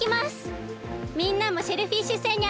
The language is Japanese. みんなもシェルフィッシュ星にあそびにきてね！